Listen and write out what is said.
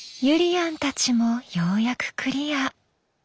ゆりやんたちもようやくクリア。